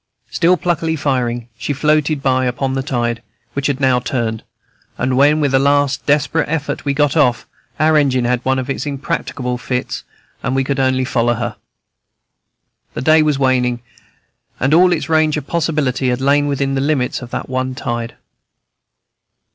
Still pluckily firing, she floated by upon the tide, which had now just turned; and when, with a last desperate effort, we got off, our engine had one of its impracticable fits, and we could only follow her. The day was waning, and all its range of possibility had lain within the limits of that one tide.